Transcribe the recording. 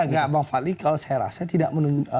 nah bang fadli kalau saya rasa tidak menunjukkan